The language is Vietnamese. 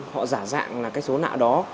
họ giả dạng cái số nạ đó